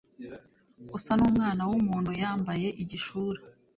Usa n umwana w umuntu yambaye igishura